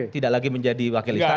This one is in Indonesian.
tidak lagi menjadi wakil istana